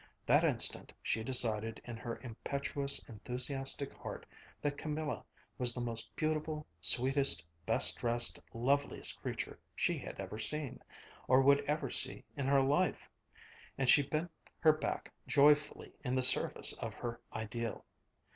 That instant she decided in her impetuous, enthusiastic heart that Camilla was the most beautiful, sweetest, best dressed, loveliest creature she had ever seen, or would ever see in her life; and she bent her back joyfully in the service of her ideal.